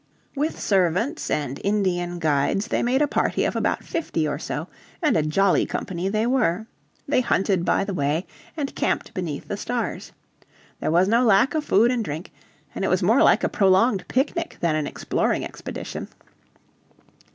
With servants and Indian guides they made a party of about fifty or so, and a jolly company they were. They hunted by the way, and camped beneath the stars. There was no lack of food and drink, and it was more like a prolonged picnic than an exploring expedition.